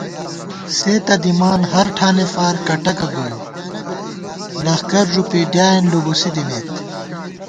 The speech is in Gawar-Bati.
سے تہ دِمان ہر ٹھانے فار کٹَکہ گوئے ، لخکر ݫُوپی ڈیائېن لُوبُوسی دِمېت